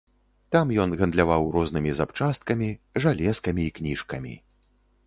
Там ён гандляваў рознымі запчасткамі, жалезкамі і кніжкамі.